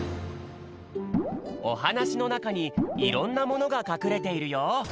おはなしのなかにいろんなものがかくれているよ。